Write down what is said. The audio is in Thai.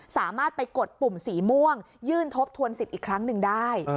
สามารถไปกดปุ่มสีม่วงยื่นทบทวนสิทธิ์อีกครั้งหนึ่งได้